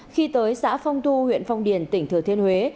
khi tới xã phong thu huyện phong điền tỉnh thừa thiên huế